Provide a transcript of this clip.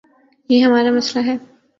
یہ ہمار امسئلہ ہے۔